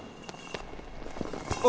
あ！